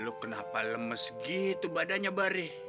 lu kenapa lemes gitu badannya bari